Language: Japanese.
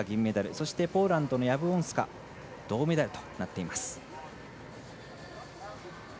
そしてポーランドのヤブウォンスカ銅メダルとなっています。